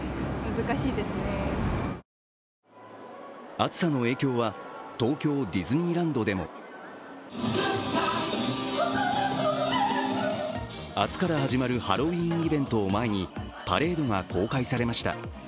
暑さの影響は東京ディズニーランドでも明日から始まるハロウィーンイベントを前にパレードが公開されました。